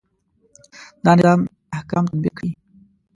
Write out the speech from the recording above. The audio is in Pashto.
دا نظام احکام تطبیق کړي.